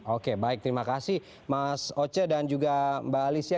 oke baik terima kasih mas oce dan juga mbak alicia